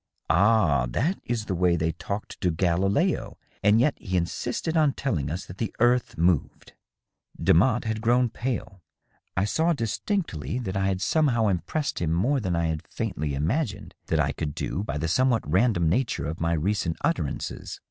" Ah, that is the way they talked to Galileo, and yet he insisted on telling us that the earth moved." Demotte had grown pale. I saw distinctly that I had somehow DOUGLAS DUANE. 561 impressed him more than I had faintly imagined that I could do by the somewhat random nature of my recent utterances.